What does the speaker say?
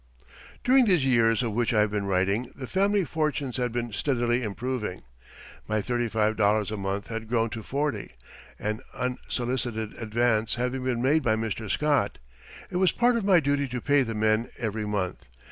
During these years of which I have been writing, the family fortunes had been steadily improving. My thirty five dollars a month had grown to forty, an unsolicited advance having been made by Mr. Scott. It was part of my duty to pay the men every month.